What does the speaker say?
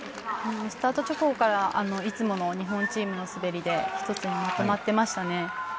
スタート直後からいつもの日本チームの滑りで１つにまとまっていましたね。